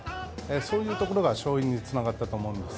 そういうところが勝因につながったと思うんです。